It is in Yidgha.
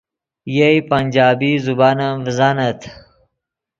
یئے پنجابی زبان ام ڤزانت